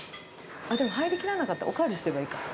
でも入りきらなかったら、お代わりすればいいか。